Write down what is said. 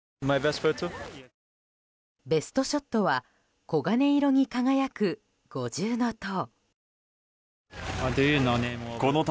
ベストショットは黄金色に輝く五重塔。